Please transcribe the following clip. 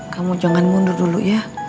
kamu jangan mundur dulu ya